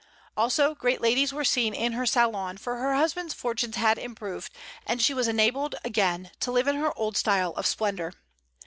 Also great ladies were seen in her salon, for her husband's fortunes had improved, and she was enabled again to live in her old style of splendor.